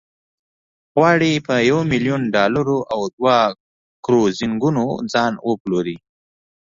غواړي په یو میلیون ډالرو او دوه کروزینګونو ځان وپلوري.